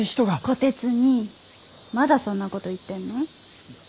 虎鉄にいまだそんなこと言ってんの？